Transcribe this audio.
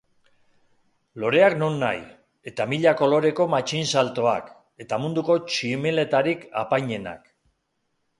Loreak nonahi, eta mila koloreko matxinsaltoak, eta munduko tximeletarik apainenak.